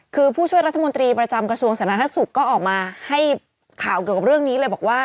คือผู้ช่วยรัฐมนตรีประจำกระทรวงสาธารณสุขก็ออกมาให้ข่าวเกี่ยวกับเรื่องนี้เลยบอกว่า